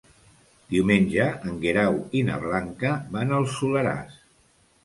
Diumenge en Guerau i na Blanca van al Soleràs.